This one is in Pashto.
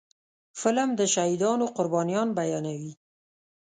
فلم د شهیدانو قربانيان بیانوي